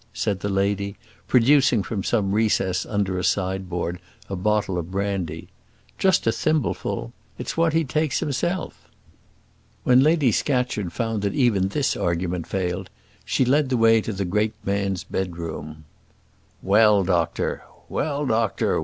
said the lady, producing from some recess under a sideboard a bottle of brandy; "just a thimbleful? It's what he takes himself." When Lady Scatcherd found that even this argument failed, she led the way to the great man's bedroom. "Well, doctor! well, doctor!